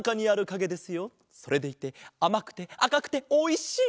それでいてあまくてあかくておいしい！